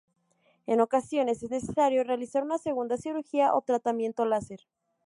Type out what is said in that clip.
En ocasiones es necesario realizar una segunda cirugía o tratamiento láser.